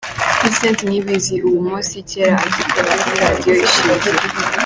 Vincent Niyibizi ibumoso kera agikora kuri Radio Ishingiro.